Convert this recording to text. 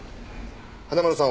花村さん